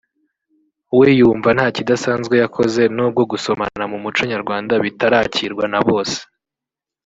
we yumva nta kidasanzwe yakoze nubwo gusomana mu muco nyarwanda bitarakirwa na bose